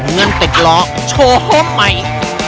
เงินติดล้อโชคใหม่